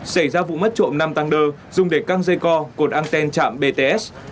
xảy ra vụ mất trộm năm tăng đơ dùng để căng dây co cột anten chạm bts